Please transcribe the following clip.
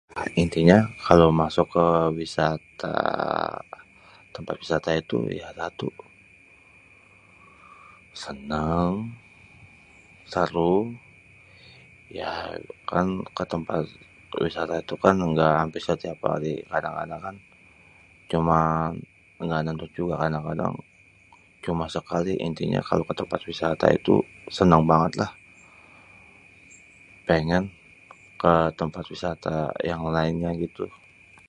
Intinya kalo masuk ke wisata tempat wisata itu ya satu, seneng, seru, ya kan ketempat wisata itu kan ga ampe setiap hari kadang-kadang kan cuma ga nentu juga, kadang-kadang cuma sekali. Intinya kalo ketempat wisata itu seneng banget lah pengen ke tempat wisata yang lainnya gitu.